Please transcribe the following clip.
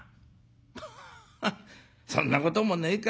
ハッそんなこともねえか。